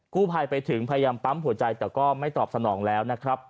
กู้ภัยไปถึงพยายามปั๊มหัวใจแต่ก็ไม่ตอบสนองแล้วนะครับ